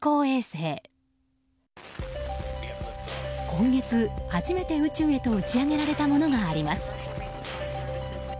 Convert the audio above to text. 今月初めて宇宙へと打ち上げられたものがあります。